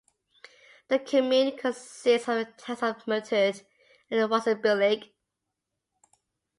The commune consists of the towns of Mertert and Wasserbillig.